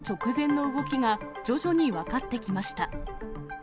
事故直前の動きが徐々に分かってきました。